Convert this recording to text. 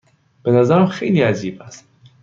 به نظرم خیلی عجیب است.